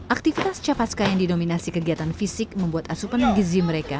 aktivitas capaska yang didominasi kegiatan fisik membuat asupan gizi mereka